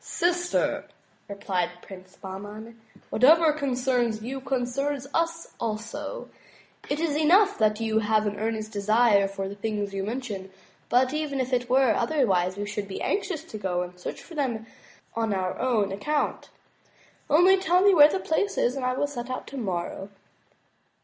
"Sister," replied Prince Bahman, "whatever concerns you, concerns us also. It is enough that you have an earnest desire for the things you mention; but even if it were otherwise, we should be anxious to go and search for them on our own account. Only tell me where the place is and I will set out tomorrow."